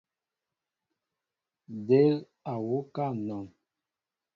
Del á wuká anɔn.